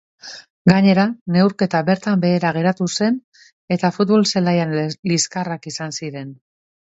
Gainera, neurketa bertan behera geratu zen eta futbol-zelaian liskarrak izan ziren.